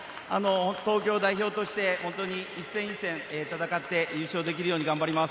東京代表として一戦一戦、戦って優勝できるように頑張ります。